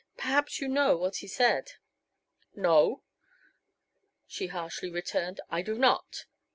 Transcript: Perhaps you know what he said." "No," she harshly returned, "I do not."